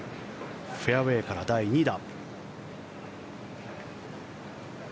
フェアウェーから第２打。